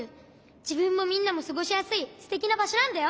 じぶんもみんなもすごしやすいすてきなばしょなんだよ。